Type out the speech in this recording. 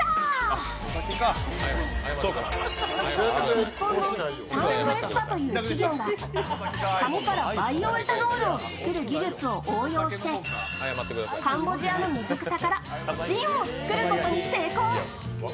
日本のＳＵＮＷＡＳＰＡという企業が紙からバイオエタノールを作る技術を応用してカンボジアの水草からジンを作ることに成功。